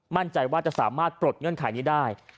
มั่นใจว่าจะสามารถปลดเงื่อนไขนี้ได้